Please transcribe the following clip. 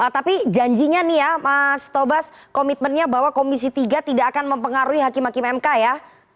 tapi janjinya nih ya mas tobas komitmennya bahwa komisi tiga tidak akan mempengaruhi hakim hakim mk ya